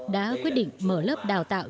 đã quyết định mở lớp đào tạo